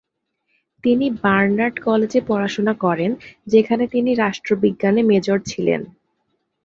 তিনি বার্নার্ড কলেজে পড়াশোনা করেন, যেখানে তিনি রাষ্ট্রবিজ্ঞানে মেজর ছিলেন।